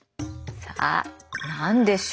さあ何でしょう？